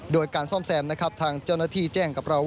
โดยการซ่อมแซมนะครับทางเจ้าหน้าที่แจ้งกับเรา